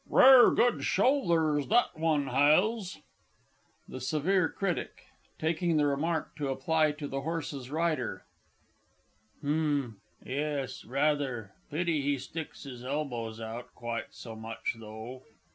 Rare good shoulders that one has. THE SEVERE CRITIC (taking the remark to apply to the horse's rider). H'm, yes rather pity he sticks his elbows out quite so much, though.